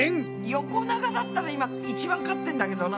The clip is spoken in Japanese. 横長だったら今一番勝ってんだけどな。